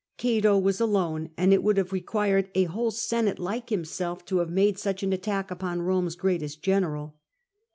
Cato was alone, and it would have required a whole Senate like himself to have made such an attack upon Eome's greatest general.